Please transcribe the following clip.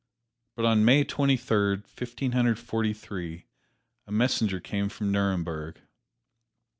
But on May Twenty third, Fifteen Hundred Forty three, a messenger came from Nuremberg.